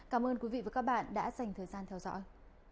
cảm ơn quý vị và các bạn đã dành thời gian theo dõi